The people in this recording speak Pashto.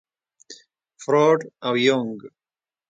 فروډ او يونګ.